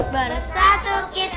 bersatu kita tahu